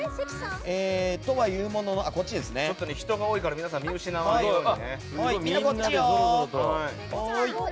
人が多いから皆さん見失わないようにね。